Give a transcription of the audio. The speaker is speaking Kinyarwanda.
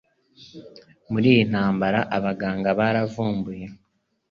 Muri iyi ntambara abaganga baravumbuye,